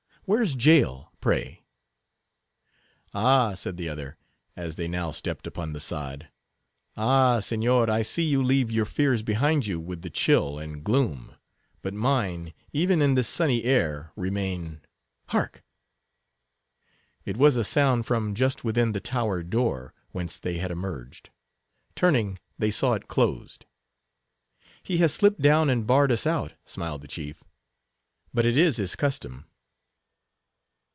—Where's Jael, pray?" "Ah," said the other, as they now stepped upon the sod, "Ah, Signor, I see you leave your fears behind you with the chill and gloom; but mine, even in this sunny air, remain. Hark!" It was a sound from just within the tower door, whence they had emerged. Turning, they saw it closed. "He has slipped down and barred us out," smiled the chief; "but it is his custom."